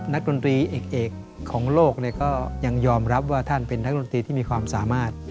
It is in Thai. ดนตรีเอกของโลกก็ยังยอมรับว่าท่านเป็นนักดนตรีที่มีความสามารถ